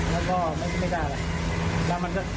แล้วก็ฉันก็ไม่ได้เลย